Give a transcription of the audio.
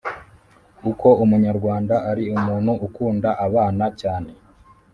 uko umunyarwanda ari umuntu ukunda abana cyane